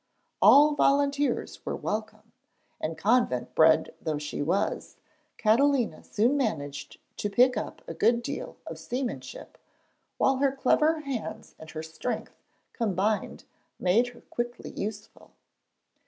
All volunteers were welcome, and convent bred though she was, Catalina soon managed to pick up a good deal of seamanship, while her clever hands and her strength combined made her quickly useful.